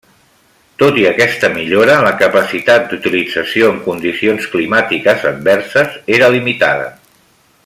Tot i aquesta millora la capacitat d'utilització en condicions climàtiques adverses era limitada.